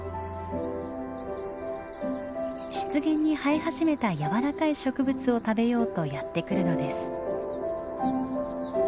湿原に生え始めた柔らかい植物を食べようとやって来るのです。